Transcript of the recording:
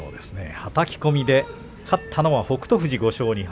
はたき込みで勝ったのは北勝富士、５勝２敗。